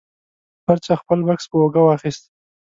هر چا خپل بکس په اوږه واخیست.